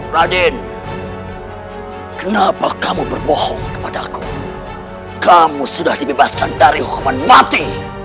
radin kenapa kamu berbohong kepada aku kamu sudah dibebaskan dari hukuman mati